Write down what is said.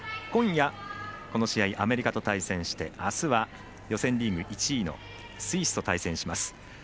今夜、この試合アメリカと対戦してあすは予選リーグ１位のスイスと対戦します。